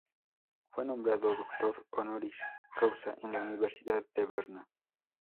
Fue nombrado doctor "honoris causa" en la Universidad de Berna.